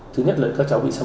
thứ nhất là các cháu bị xâm hại